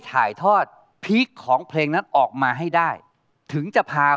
ฟังไว้ดีกว่า